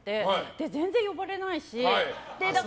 でも、全然呼ばれないし。